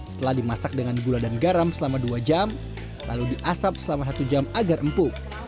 setelah dimasak dengan gula dan garam selama dua jam lalu diasap selama satu jam agar empuk